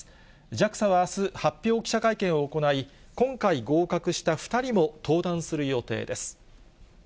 ＪＡＸＡはあす、発表記者会見を今回合格した２人も登壇する予定です。